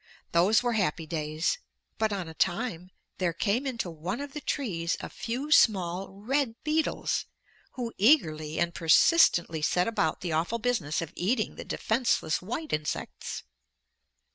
Those were happy days. But on a time there came into one of the trees a few small red beetles, who eagerly and persistently set about the awful business of eating the defenceless white insects.